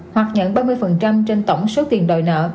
hoặc nhận ba mươi trên tổng số tiền đòi nợ